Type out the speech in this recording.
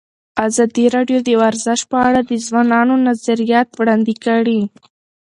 ازادي راډیو د ورزش په اړه د ځوانانو نظریات وړاندې کړي.